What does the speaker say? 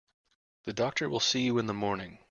The doctor will see you in the morning.